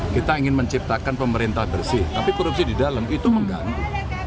karena pemerintah bersih tapi korupsi di dalam itu mengganggu